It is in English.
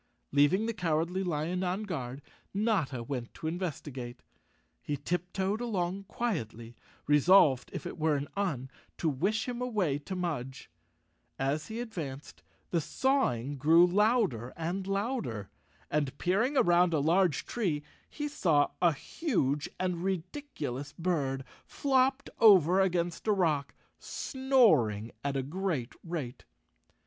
Leaving the Cowardly Lion on guard, Notta Went to investigate. He tiptoed along quietly, resolved if it were an Un to wish him away to Mudge. As he 159 The Cowardly Lion of Oz _ advanced the sawing grew louder and louder and, peer¬ ing around a large tree, he saw a huge and ridiculous bird flopped over against a rock, snoring at a great rate.